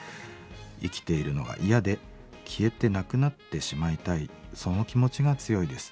生きているのが嫌で消えてなくなってしまいたいその気持ちが強いです。